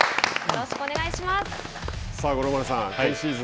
よろしくお願いします。